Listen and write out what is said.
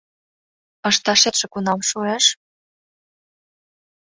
— Ышташетше кунам шуэш?